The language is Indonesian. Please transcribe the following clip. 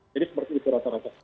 jadi seperti itu rata rata